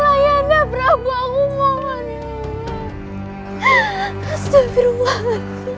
ayah anda prabu tidak boleh mati